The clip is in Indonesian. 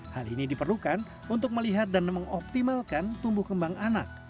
hal ini diperlukan untuk melihat dan mengoptimalkan tumbuh kembang anak